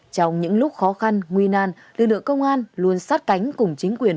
trong những lúc khó khăn nguy nan lực lượng công an luôn sát cánh cùng chính quyền